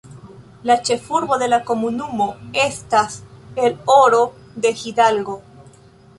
La ĉefurbo de la komunumo estas El Oro de Hidalgo.